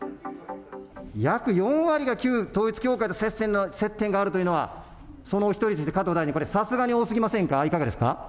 約４割が旧統一教会と接点があるというのは、そのお１人として、加藤大臣、これ、さすがに多すぎませんか、いかがですか。